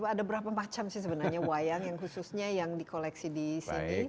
ada berapa macam sih sebenarnya wayang yang khususnya yang di koleksi di sini